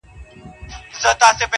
موږ به ورته غاړه کېنږدو